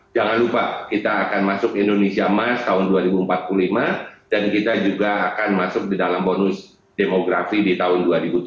jangan lupa kita akan masuk indonesia emas tahun dua ribu empat puluh lima dan kita juga akan masuk di dalam bonus demografi di tahun dua ribu tujuh belas